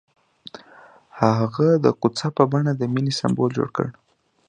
هغه د کوڅه په بڼه د مینې سمبول جوړ کړ.